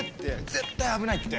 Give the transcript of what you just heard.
絶対危ないって。